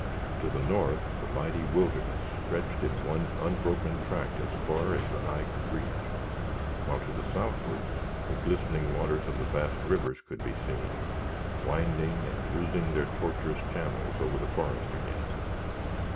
To the north, the mighty wilderness stretched in one unbroken tract as far as the eye could reach, while to the southward the glistening waters of the vast rivers could be seen, winding and losing their tortuous channels in the forest again.